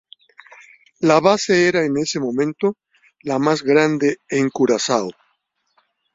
La base era en ese momento la más grande en Curazao.